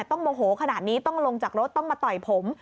โมโหขนาดนี้ต้องลงจากรถต้องมาต่อยผม